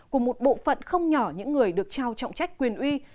của một bộ phận không nhỏ những người được trao trọng trách quyền uy